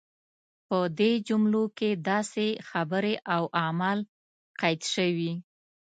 په دې جملو کې داسې خبرې او اعمال قید شوي.